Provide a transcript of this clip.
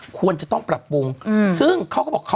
ควรจะต้องปรับปรุงซึ่งเขาก็บอก